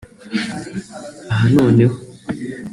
Aha noneho